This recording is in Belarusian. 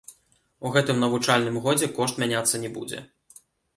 У гэтым навучальным годзе кошт мяняцца не будзе.